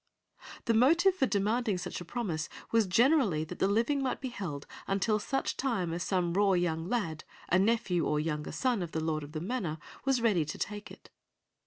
The motive for demanding such a promise was generally that the living might be held until such time as some raw young lad, a nephew or younger son of the lord of the manor, was ready to take it.